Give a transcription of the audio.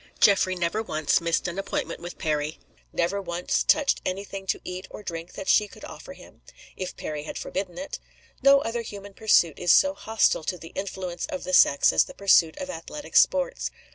Geoffrey never once missed an appointment with Perry; never once touched any thing to eat or drink that she could offer him, if Perry had forbidden it. No other human pursuit is so hostile to the influence of the sex as the pursuit of athletic sports.